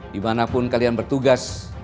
dimanapun kalian bertugas